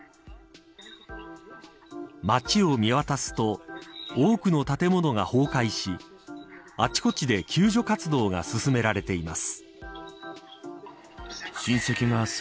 町を見渡すと多くの建物が崩壊しあちこちで救助活動が進められています。